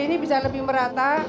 ini bisa lebih merata